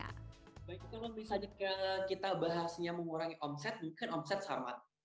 baik kalau misalnya kita bahasnya mengurangi omset mungkin omset sama